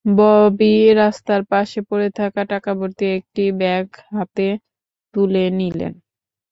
ববি রাস্তার পাশে পড়ে থাকা টাকাভর্তি একটি ব্যাগ হাতে তুলে নিলেন।